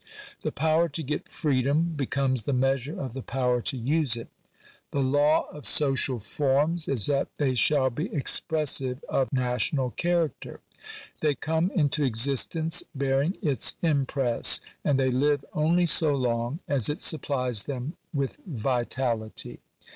The power to get freedom becomes the measure of the power to use it. The law of social forms is that they shall be expressive of national character; they come into existence bearing its im press; and they live only so long as it supplies them with vitality.